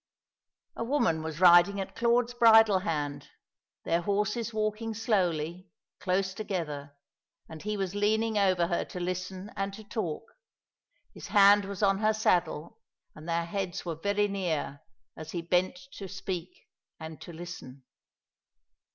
A woman was riding at Claude's bridle hand; their horses walking slowly, close together; and he was leaning over her to listen and to talk; his hand was on her saddle, and their heads were very near, as he bent to speak and to listen.